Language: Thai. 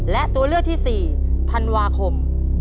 และตัวเลือกที่๔ธันวาคม